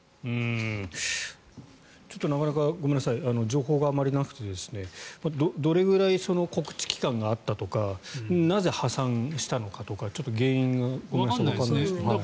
ちょっとなかなか情報があまりなくてどれぐらい告知期間があったとかなぜ破産したのかとか原因がわからないんですが。